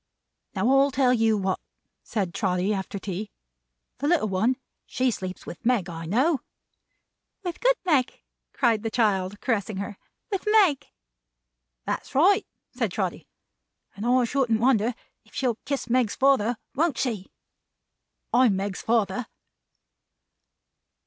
"Now, I'll tell you what," said Trotty after tea. "The little one, she sleeps with Meg, I know." "With good Meg!" cried the child, caressing her. "With Meg." "That's right," said Trotty. "And I shouldn't wonder if she'll kiss Meg's father, won't she? I'm Meg's father."